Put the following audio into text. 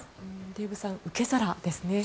デーブさん受け皿ですね。